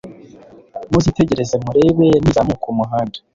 muzitegereze murebe nizamuka umuhanda